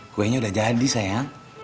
kuenya udah jadi sayang